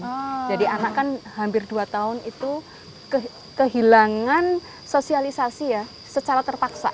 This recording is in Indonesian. karena kan hampir dua tahun itu kehilangan sosialisasi ya secara terpaksa